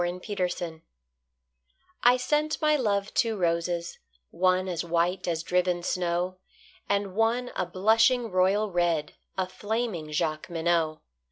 The White Flag I sent my love two roses, one As white as driven snow, And one a blushing royal red, A flaming Jacqueminot.